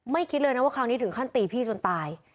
คิดเลยนะว่าคราวนี้ถึงขั้นตีพี่จนตาย